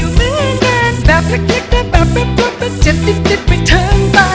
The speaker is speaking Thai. โอ้โหขอบคุณมากครับพี่ปุ๊บ